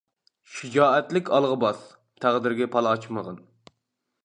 شىجائەتلىك ئالغا باس، تەقدىرگە پال ئاچمىغىن.